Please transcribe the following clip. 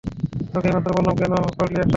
তোকে এইমাত্র বললাম-- কেন করলি এটা?